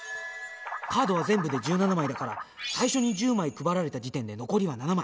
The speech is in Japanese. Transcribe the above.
カードは全部で１７枚だから最初に１０枚配られた時点で残りは７枚。